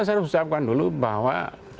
saya harus ucapkan dulu bahwa